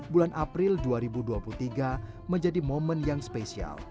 bulan april dua ribu dua puluh tiga menjadi momen yang spesial